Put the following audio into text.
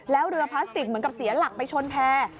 แล้วเรือพลาสติกเหมือนกับเสียหลักไปชนแพร่